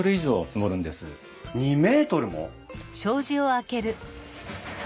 ２ｍも！？